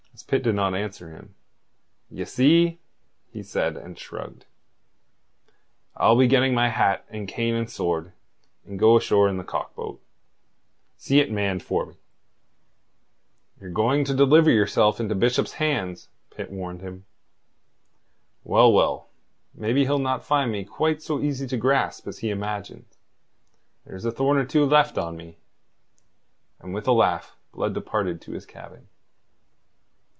And as Pitt did not answer him: "Ye see?" he said, and shrugged. "I'll be getting my hat and cane and sword, and go ashore in the cock boat. See it manned for me." "Ye're going to deliver yourself into Bishop's hands," Pitt warned him. "Well, well, maybe he'll not find me quite so easy to grasp as he imagines. There's a thorn or two left on me." And with a laugh Blood departed to his cabin.